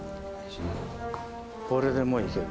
これでもういける。